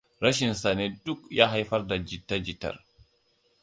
Rashinsa ne duk ya haifar da jita jitar.